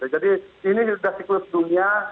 jadi ini sudah siklus dunia